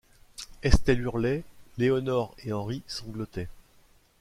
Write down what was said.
Estelle hurlait, Lénore et Henri sanglotaient.